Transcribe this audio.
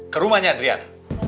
ke rumahnya adriana